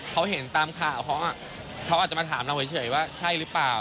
เขาเห็นตามข่าวเขาเขาอาจจะมาถามเราเฉยว่าใช่หรือเปล่า